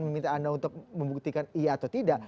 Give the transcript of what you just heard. meminta anda untuk membuktikan iya atau tidak